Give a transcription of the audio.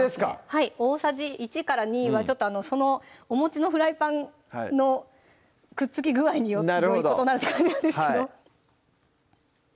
はい大さじ１から２はお持ちのフライパンのくっつき具合によって異なるって感じなんですけど